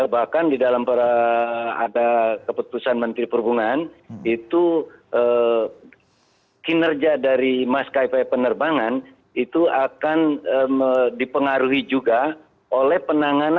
bahkan di dalam ada keputusan menteri perhubungan itu kinerja dari mas kip penerbangan itu akan dipengaruhi juga